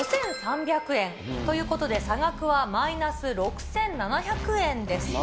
５３００円。ということで、差額はマイナス６７００円です。